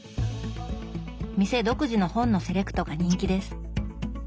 店独自の本のセレクトが人気です。